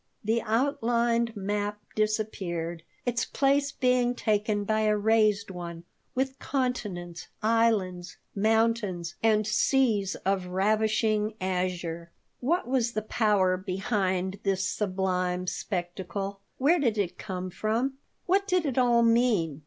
The outlined map disappeared, its place being taken by a raised one, with continents, islands, mountains, and seas of ravishing azure What was the power behind this sublime spectacle? Where did it come from? What did it all mean?